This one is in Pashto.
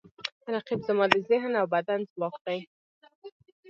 رقیب زما د ذهن او بدن ځواک دی